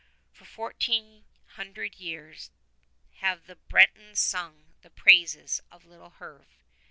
For fourteen hundred years have the Bretons sung the praises of little Herve.